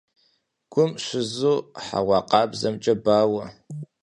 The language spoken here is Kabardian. Гум щызу хьэуа къабзэмкӀэ бауэ.